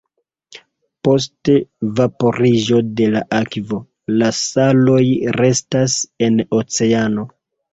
Post vaporiĝo de la akvo, la saloj restas en oceano.